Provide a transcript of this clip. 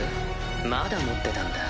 まだ持ってたんだ。